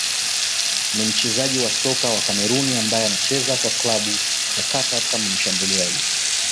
ni mchezaji wa soka wa Kameruni ambaye anacheza kwa klabu ya Qatar kama mshambuliaji